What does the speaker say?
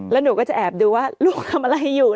แล้วหนูก็จะแอบดูว่าลูกทำอะไรอยู่